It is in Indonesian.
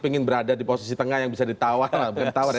ingin berada di posisi tengah yang bisa ditawar